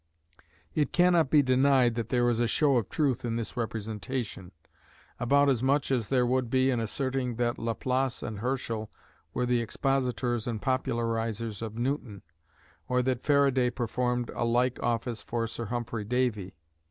It cannot be denied that there is a show of truth in this representation; about as much as there would be in asserting that Laplace and Herschel were the expositors and popularizers of Newton, or that Faraday performed a like office for Sir Humphry Davy.